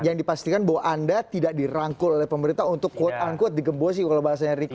yang dipastikan bahwa anda tidak dirangkul oleh pemerintah untuk quote unquote digembosi kalau bahasanya riko